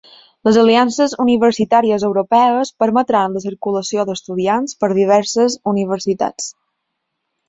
Les aliances universitàries europees permetran la circulació d'estudiants per diverses universitats